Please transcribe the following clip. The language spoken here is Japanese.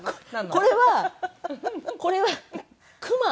これはこれは熊。